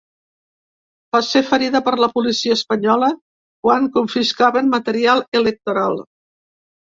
Va ser ferida per la policia espanyola quan confiscaven material electoral.